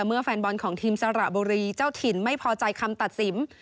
แฟนบอลของทีมสระบุรีเจ้าถิ่นไม่พอใจคำตัดสิน